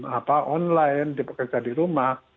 apa online kerja di rumah